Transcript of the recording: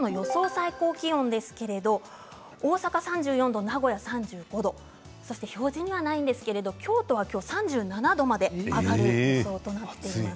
最高気温ですけれど大阪３４度、名古屋３５度表示にはないんですが京都は今日、３７度まで上がる予想となっています。